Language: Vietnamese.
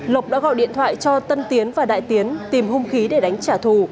lộc đã gọi điện thoại cho tân tiến và đại tiến tìm hung khí để đánh trả thù